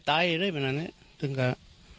พันให้หมดตั้ง๓คนเลยพันให้หมดตั้ง๓คนเลย